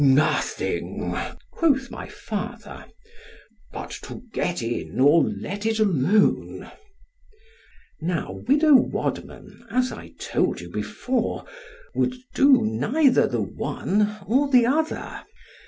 _ Nothing, quoth my father, but to get in——or let it alone. Now widow Wadman, as I told you before, would do neither the one or the other.